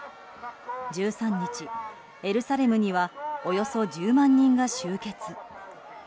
１３日、エルサレムにはおよそ１０万人が集結。